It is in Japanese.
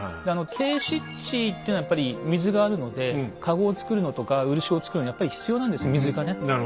低湿地っていうのはやっぱり水があるのでカゴをつくるのとか漆をつくるのにやっぱり必要なんです水がね。